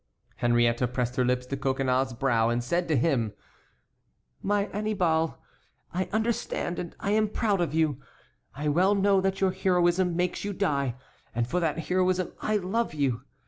Henriette pressed her lips to Coconnas's brow, and said to him: "My Annibal, I understand, and I am proud of you. I well know that your heroism makes you die, and for that heroism I love you.